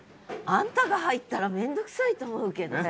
あんたが入ったら面倒くさいと思うけどね。